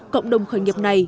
cộng đồng khởi nghiệp này